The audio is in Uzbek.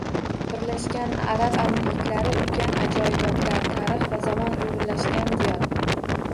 Birlashgan Arab Amirliklari – ulkan ajoyibotlar, tarix va zamon uygʻunlashgan diyor